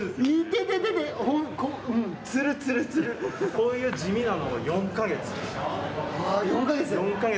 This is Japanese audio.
こういう地味なのが４か月。